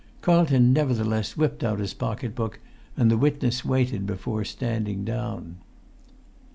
Carlton nevertheless whipped out his pocket book, and the witness waited before standing down.